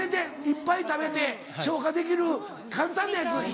いっぱい食べて消化できる簡単なやつ。